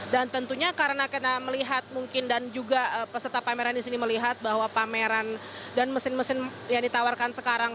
dan tentunya karena kita melihat mungkin dan juga peserta pameran di sini melihat bahwa pameran dan mesin mesin yang ditawarkan sekarang